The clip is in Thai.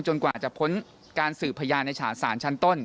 จนกว่าจะพ้นการสืบพยานในสารชั้นต้น